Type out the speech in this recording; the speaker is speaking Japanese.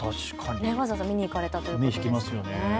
わざわざ見に行かれたということで。